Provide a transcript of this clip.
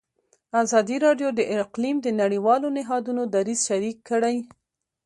ازادي راډیو د اقلیم د نړیوالو نهادونو دریځ شریک کړی.